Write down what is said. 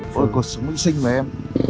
cuộc sống rất xinh rồi em